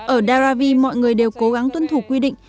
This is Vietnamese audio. ở daravi mọi người đều cố gắng tuân thủ quy định